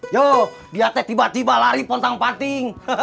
yo dia teh tiba tiba lari pontang panting